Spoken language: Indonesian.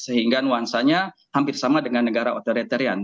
sehingga nuansanya hampir sama dengan negara otoritarian